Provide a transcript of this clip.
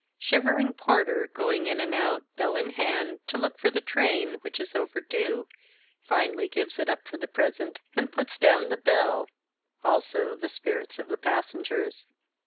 Shivering porter going in and out, bell in hand, to look for the train, which is overdue, finally gives it up for the present, and puts down the bell — also the spirits of the passengers.